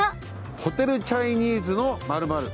ホテルチャイニーズのマルマル。